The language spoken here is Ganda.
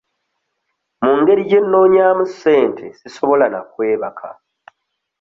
Mu ngeri gye nnoonyaamu ssente sisobola na kwebaka.